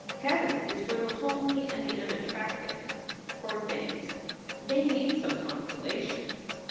Heaven is for the homely and the unattractive. Poor things, they need some consolation."